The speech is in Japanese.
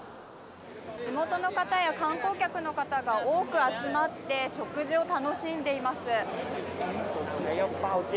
地元の方や観光客の方が多く集まって食事を楽しんでいます。